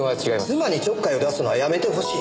妻にちょっかいを出すのはやめてほしい！